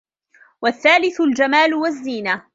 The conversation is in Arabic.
وَالثَّالِثُ الْجَمَالُ وَالزِّينَةُ